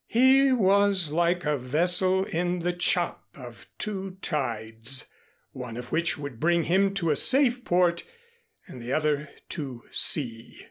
He was like a vessel in the chop of two tides, one of which would bring him to a safe port and the other to sea.